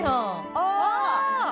ああ！